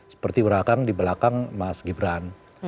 seperti belakang di belakang mas gibran